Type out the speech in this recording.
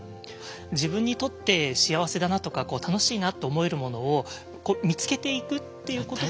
自分にとって幸せだなとか楽しいなと思えるものを見つけていくっていうことが。